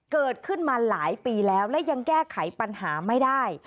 เกิดขึ้นมาหลายปีแล้วและยังแก้ไขปัญหาไม่ได้